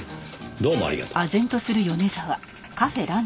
どうもありがとう。